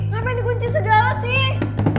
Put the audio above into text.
kenapa yang dikunci segala sih